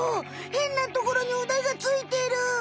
へんなところにうでがついてる。